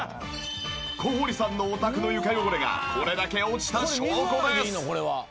小堀さんのお宅の床汚れがこれだけ落ちた証拠です。